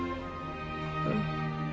うん。